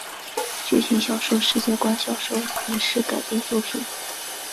剧情小说世界观小说影视改编作品